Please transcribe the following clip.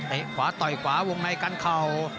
ขวาต่อยขวาวงในกันเข่า